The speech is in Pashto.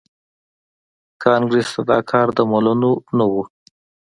کانګریس ته دا کار د منلو نه و.